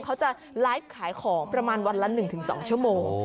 เขาจะไลฟ์ขายของประมาณวันละ๑๒ชั่วโมง